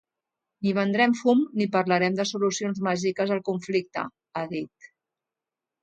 Ni vendrem fum ni parlarem de solucions màgiques al conflicte, ha dit.